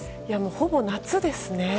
ほぼ夏ですね。